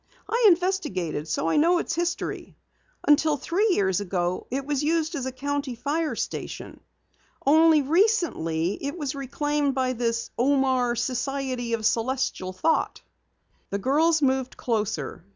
"I investigated, so I know its history. Until three years ago it was used as a county fire station. Only recently it was reclaimed by this Omar Society of Celestial Thought." The girls moved closer.